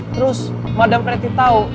terus madem preti tau